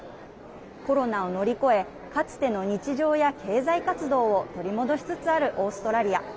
コロナを乗り越えかつての日常や経済活動を取り戻しつつあるオーストラリア。